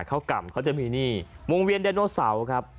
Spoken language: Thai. เขาก่ำเขาจะมีนี่วงเวียนไดโนเสาร์ครับ